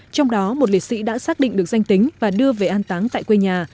trong đó một liệt sĩ đã xác định được danh tính và đưa về an táng tại quê nhà